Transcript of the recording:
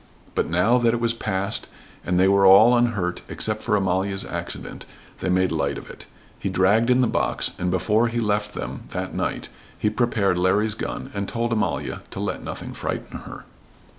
But now that it was past and they were all unhurt except for Amalia's accident, they made light of it. He dragged in the box, and before he left them that night he prepared Larry's gun, and told Amalia to let nothing frighten her.